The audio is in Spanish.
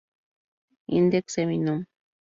Index Seminum.